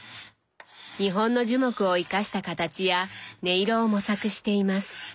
日本の樹木を生かした形や音色を模索しています。